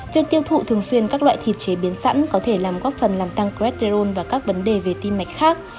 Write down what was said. việc tiêu thụ thường xuyên các loại thịt chế biến sẵn có thể làm góp phần làm tăng gredern và các vấn đề về tim mạch khác